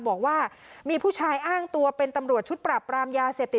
บอกว่ามีผู้ชายอ้างตัวเป็นตำรวจชุดปรับปรามยาเสพติด